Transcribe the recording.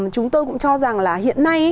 chúng tôi cũng cho rằng là hiện nay